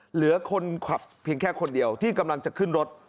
เหลือคนขับเพียงแค่คนเดียวที่กำลังจะขึ้นรถ